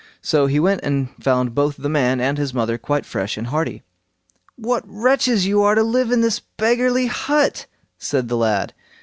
So he went and found both the man and his mother quite fresh and hearty. "What wretches you are to live in this beggarly hut", said the lad.